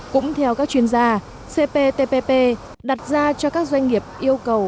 cũng theo các chuyên gia cptpp đặt ra cho các doanh nghiệp yêu cầu